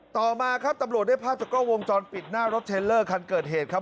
ต่อมาครับตำรวจได้ภาพจากกล้องวงจรปิดหน้ารถเทลเลอร์คันเกิดเหตุครับ